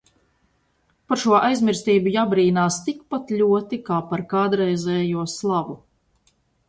Par šo aizmirstību jābrīnās tikpat ļoti, kā par kādreizējo slavu.